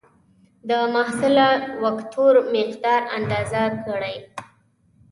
د محصله وکتور مقدار اندازه کړئ.